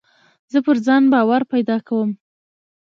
زه پر ځان باور پیدا کوم.